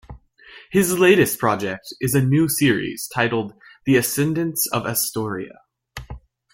His latest project is a new series titled "The Ascendants of Estorea".